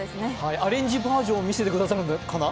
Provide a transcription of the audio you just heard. アレンジバージョンを見せてくれるのかな？